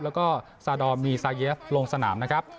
แล้วก็ซาดอมมีซาเยฟลงสนามนะครับ